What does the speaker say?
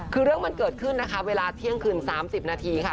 คือเรื่องมันเกิดขึ้นนะคะเวลาเที่ยงคืน๓๐นาทีค่ะ